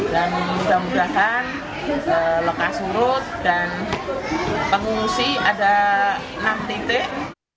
dan mudah mudahan lokasi rute dan pengungsi ada enam titik